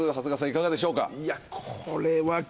いかがでしょうか？